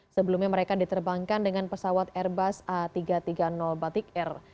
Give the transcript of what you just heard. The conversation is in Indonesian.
sebelumnya mereka diterbangkan dengan pesawat airbus a tiga ratus tiga puluh batik air